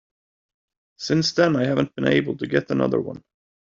Since then I haven't been able to get another one.